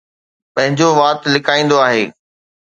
پنهنجو وات لڪائيندو آهي.